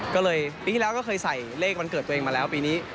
ก็เลยปีที่แล้วก็เคยใส่เลขวันเกิดตัวเองมาแล้วปีนี้